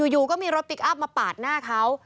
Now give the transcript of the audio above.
อยู่ก็มีรถพลิกอัพมาปาดหน้าเขา